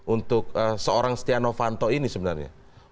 untuk seorang stiano fanto ini sebenarnya